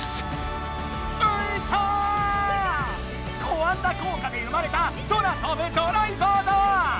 コアンダ効果で生まれた空飛ぶドライバーだ！